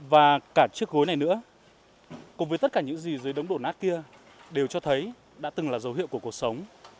và cả chiếc gối này nữa cùng với tất cả những gì dưới đống đổ nát kia đều cho thấy đã từng là dấu hiệu của cuộc sống